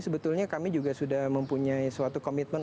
sebetulnya kami juga sudah mempunyai suatu komitmen